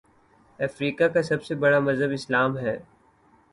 افریقہ کا سب سے بڑا مذہب اسلام ہے